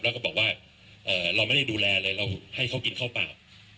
แล้วก็บอกว่าเราไม่ได้ดูแลเลยเราให้เขากินข้าวเปล่า